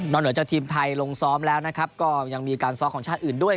เหนือจากทีมไทยลงซ้อมแล้วนะครับก็ยังมีการซ้อมของชาติอื่นด้วย